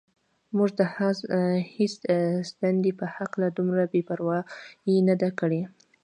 موږ د هېڅ دندې په هکله دومره بې پروايي نه ده کړې.